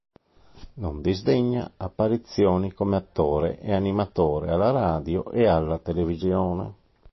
Non disdegna apparizioni come attore e animatore alla radio e alla televisione.